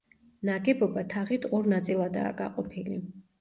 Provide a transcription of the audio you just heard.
ნაგებობა თაღით ორ ნაწილადაა გაყოფილი.